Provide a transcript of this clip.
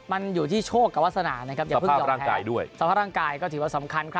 มันอยู่ที่โชคกับวาสนานะครับอย่าเพิ่งยอมแพ้ด้วยสภาพร่างกายก็ถือว่าสำคัญครับ